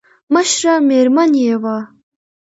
مشره مېرمن يې وه.